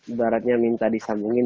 ibaratnya minta disambungin